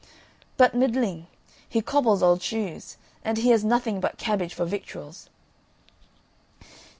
"But middling; he cobbles old shoes, and he has nothing but cabbage for victuals."